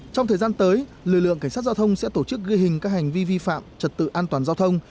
trong thời gian tới lực lượng cảnh sát giao thông sẽ tổ chức ghi hình các hành vi vi phạm trật tự an toàn giao thông